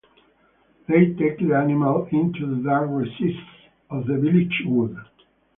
They take the animal into the dark recesses of the village wood.